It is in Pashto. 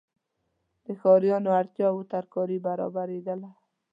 د ښاریانو اړتیاوړ ترکاري برابریدله.